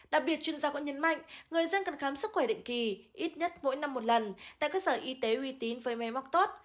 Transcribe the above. đặc biệt chuyên gia cũng nhấn mạnh người dân cần khám sức khỏe định kỳ ít nhất mỗi năm một lần tại cơ sở y tế uy tín với máy móc tốt